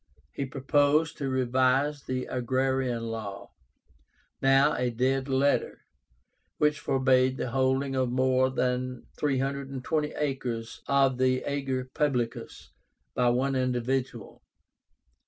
He proposed to revise the Agrarian Law, now a dead letter, which forbade the holding of more than 320 acres of the ager publicus by one individual.